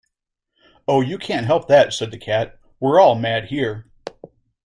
‘Oh, you can’t help that,’ said the Cat: ‘we’re all mad here’.